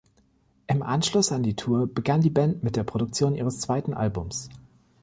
Im Anschluss an die Tour begann die Band mit der Produktion ihres zweiten Albums.